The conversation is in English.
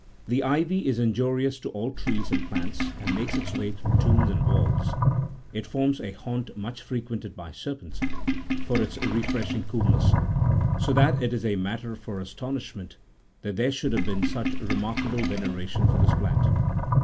The ivy is injurious5 to all trees and plants, and makes its way through tombs and walls; it forms a haunt much frequented by serpents, for its refreshing coolness; so that it is a matter for astonishment that there should have been such remarkable veneration for this plant.